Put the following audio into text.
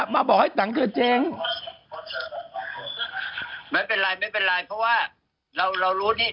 อ๋อไม่เป็นไรเราก็รู้